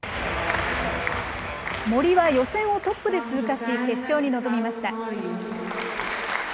森は予選をトップで通過し、決勝に臨みました。